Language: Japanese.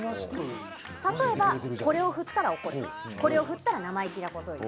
例えば、これを振ったら怒るこれを振ったら生意気なことを言う。